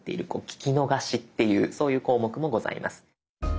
聴き逃しっていうそういう項目もございます。